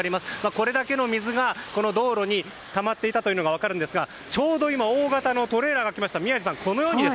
これだけの水が道路にたまっていたというのが分かるんですがちょうど今大型のトレーラーが来ました。